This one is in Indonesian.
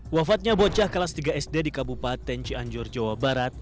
wafatnya bocah kelas tiga sd di kabupaten cianjur jawa barat